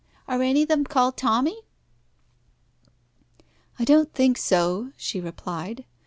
Are any of them called Tommy?" "I don't think so," she replied.